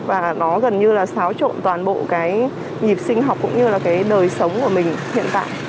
và nó gần như là xáo trộn toàn bộ cái nhịp sinh học cũng như là cái đời sống của mình hiện tại